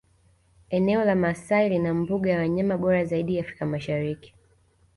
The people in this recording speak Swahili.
Eneo la Maasai lina mbuga ya wanyama bora zaidi Afrika Mashariki